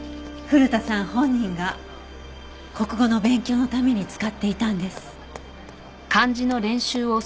古田さん本人が国語の勉強のために使っていたんです。